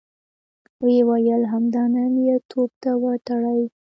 ويې ويل: همدا نن يې توپ ته وتړئ!